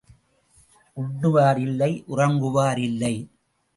உண்ணுவார் இல்லை உறங்குவார் இல்லை.